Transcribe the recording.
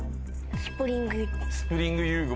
スプリング遊具。